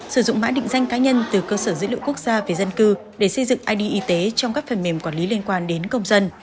sử dụng mã định danh cá nhân từ cơ sở dữ liệu quốc gia về dân cư để xây dựng id y tế trong các phần mềm quản lý liên quan đến công dân